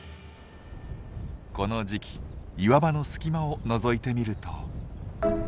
この時期岩場の隙間をのぞいてみると。